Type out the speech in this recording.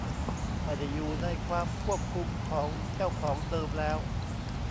ไม่ได้อยู่ในความควบคุมของเจ้าของเดิมแล้ว